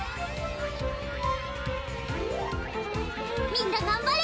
みんながんばれ。